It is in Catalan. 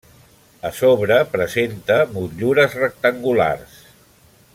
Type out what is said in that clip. A sobre presenta motllures rectangulars.